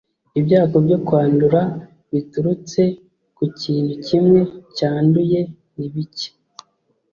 ibyago byo kwandura biturutse ku kintu kimwe cyanduye ni bike.